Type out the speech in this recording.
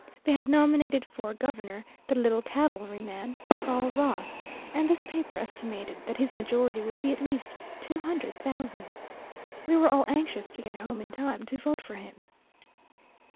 They had nominated for Governor "The Little Cavalryman," Sol Ross, and this paper estimated that his majority would be at least two hundred thousand. We were all anxious to get home in time to vote for him.